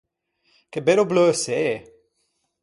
Che bello bleuçê!